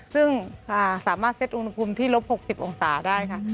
ซึ่งสามารถเซ็ตอุณหภูมิที่ลบ๖๐องศาได้ค่ะ